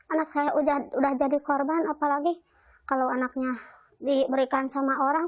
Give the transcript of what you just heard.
anak saya udah jadi korban apalagi kalau anaknya diberikan sama orang